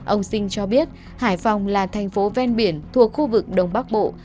ông sinh cho biết hải phòng là thành phố ven biển thuộc khu vực đông bắc bộ